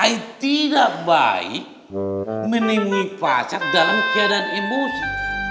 yang tidak baik menemui pacar dalam keadaan emosi